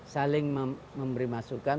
saling memberi masukan